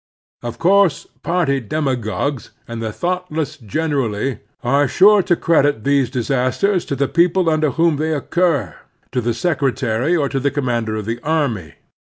Of course party demagogues and the thoughtless generally are sure to credit these disasters to the people imder whom they occur, to the secretary, or to the commander of the army.